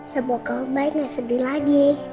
semoga mbak ibu gak sedih lagi